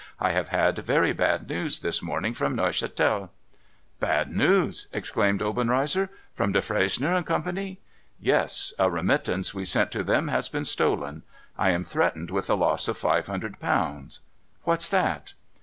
* I have had very bad news this morning from Neuchatel.' ' Bad news !' exclaimed Obenreizer. ' From Defresnier and Company ?'' Yes. A remittance we sent to them has been stolen. I am threatened with a loss of five hundred pounds. What's that